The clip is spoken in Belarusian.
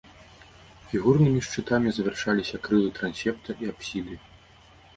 Фігурнымі шчытамі завяршаліся крылы трансепта і апсіды.